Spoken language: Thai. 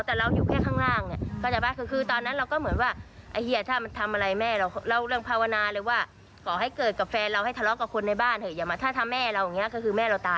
ทั้งเรื่องของพยายามฆ่า